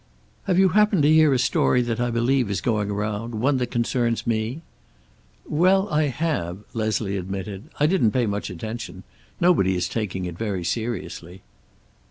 "Have you happened to hear a story that I believe is going round? One that concerns me?" "Well, I have," Leslie admitted. "I didn't pay much attention. Nobody is taking it very seriously."